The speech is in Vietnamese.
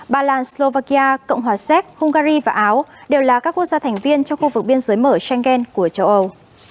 ba lan slovakia cộng hòa séc hungary và áo đều là các quốc gia thành viên trong khu vực biên giới mở schengen của châu âu